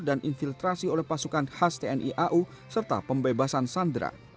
dan infiltrasi oleh pasukan khas tni au serta pembebasan sandera